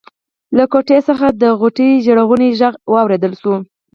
له کوټې څخه د غوټۍ ژړغونی غږ واورېدل شو.